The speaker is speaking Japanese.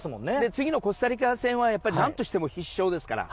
次のコスタリカ戦は何としても必勝ですから。